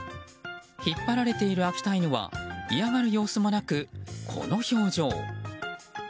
引っ張られている秋田犬は嫌がる様子もなく、この表情。